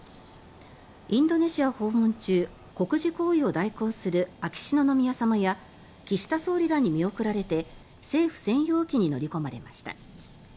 インドネシア訪問中国事行為を代行する秋篠宮さまや岸田総理らに見送られて政府専用機に乗り込まれました。